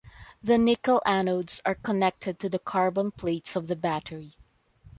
The nickel anodes are connected to the carbon plates of the battery.